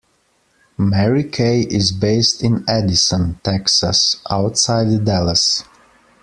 Mary Kay is based in Addison, Texas, outside Dallas.